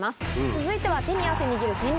続いては。